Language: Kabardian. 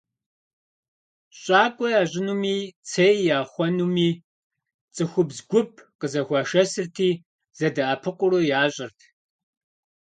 ЩӀакӀуэ ящӀынуми, цей яхъуэнуми цӀыхубз гуп къызэхуашэсырти, зэдэӀэпыкъуурэ ящӀырт.